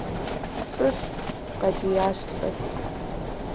– ПцӀыщ! – къэкӀиящ лӏыр.